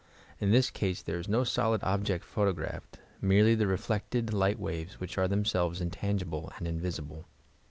In this case there is no solid object photographed — merely the reflected li^t waves whi^h are themselres intangible and invisible.